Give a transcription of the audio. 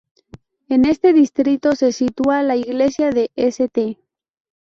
En este distrito se sitúa la iglesia de St.